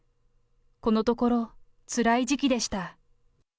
このところ、つらい時期でした。